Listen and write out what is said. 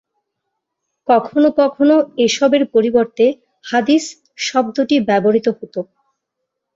কখনও কখনও এসবের পরিবর্তে "হাদীস" শব্দটি ব্যবহৃত হত।